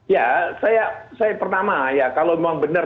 ya saya pertama ya kalau memang benar